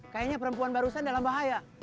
kayaknya perempuan barusan dalam bahaya